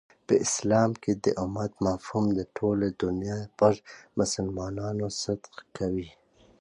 په اسلام کښي د امت مفهوم د ټولي دنیا پر مسلمانانو صدق کوي.